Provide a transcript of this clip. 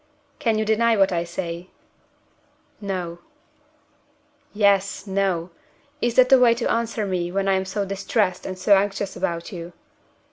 "Can you deny what I say?" "No." "'Yes!' 'No!' Is that the way to answer me when I am so distressed and so anxious about you?"